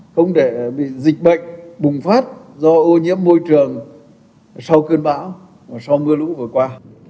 không để bị dịch bệnh bùng phát do ô nhiễm môi trường sau cơn bão sau mưa lũ vừa qua